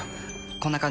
こんな感じ